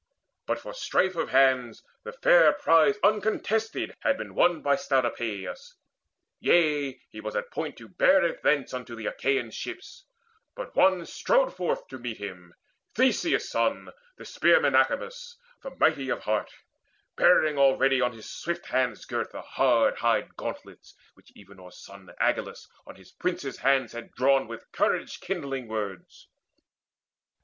But for strife of hands The fair prize uncontested had been won By stout Epeius yea, he was at point To bear it thence unto the Achaean ships; But one strode forth to meet him, Theseus' son, The spearman Acamas, the mighty of heart, Bearing already on his swift hands girt The hard hide gauntlets, which Evenor's son Agelaus on his prince's hands had drawn With courage kindling words.